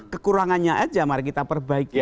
kekurangannya aja mari kita perbaiki